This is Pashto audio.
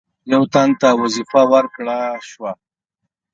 یو تن ته وظیفه ورکړه شوه.